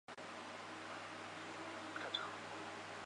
程复是活跃于琉球察度王朝和第一尚氏王朝期间的一位华侨。